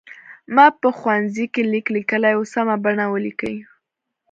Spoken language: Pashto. ما په ښوونځي کې لیک لیکلی و سمه بڼه ولیکئ.